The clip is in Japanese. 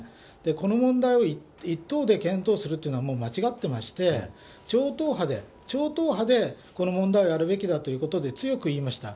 この問題を一党で検討するというのは、もう間違ってまして、超党派で、超党派でこの問題はやるべきだということで、強く言いました。